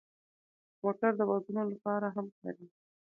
موټر د ودونو لپاره هم کارېږي.